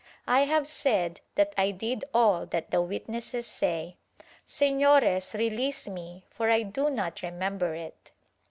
I have said that I did all that the witnesses say. Sefiores release me, for I do not remember it."